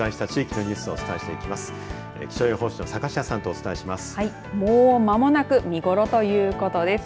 はい、もう間もなく見頃ということです。